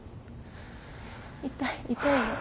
痛い痛いよ。